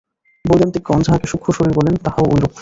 বৈদান্তিকগণ যাহাকে সূক্ষ্মশরীর বলেন, তাহাও ঐরূপ।